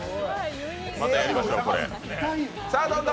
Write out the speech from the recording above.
またやりましょう、これ。